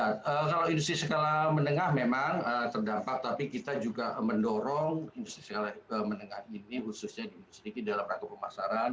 ya kalau industri skala menengah memang terdampak tapi kita juga mendorong industri skala menengah ini khususnya industri di dalam rangka pemasaran